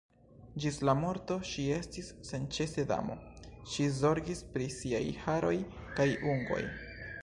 Ĝis la morto ŝi estis senĉese damo, ŝi zorgis pri siaj haroj kaj ungoj.